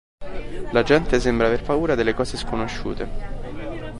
La gente sembra aver paura delle cose sconosciute.